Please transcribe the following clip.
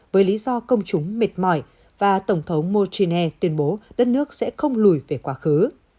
với lý do công chúng mệt mỏi và tổng thống mô chí nè tuyên bố đất nước sẽ không lùi về quá khứ